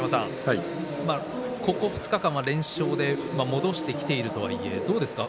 ここ２日間は連勝で戻してきているとはいえどうですか？